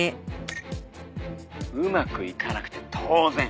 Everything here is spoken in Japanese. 「うまくいかなくて当然」